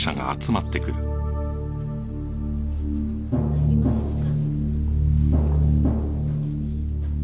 参りましょうか。